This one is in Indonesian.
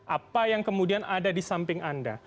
apa yang kemudian ada di samping anda